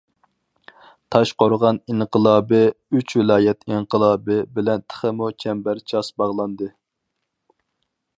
تاشقورغان ئىنقىلابى« ئۈچ ۋىلايەت ئىنقىلابى» بىلەن تېخىمۇ چەمبەرچاس باغلاندى.